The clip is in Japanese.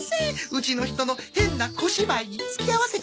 うちの人の変な小芝居に付き合わせちゃって。